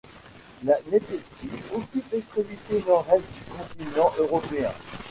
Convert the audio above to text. La Nénétsie occupe l'extrémité nord-est du continent européen.